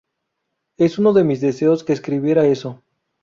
Es uno de mis deseos que escribiera eso".